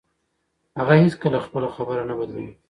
هغه هیڅکله خپله خبره نه بدلوي.